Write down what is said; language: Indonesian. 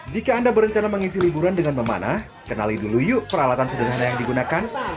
jika anda berencana mengisi liburan dengan memanah kenali dulu yuk peralatan sederhana yang digunakan